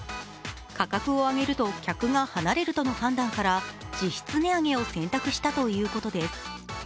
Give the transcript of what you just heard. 価格を上げると客が離れるとの判断から実質値上げを選択したということです。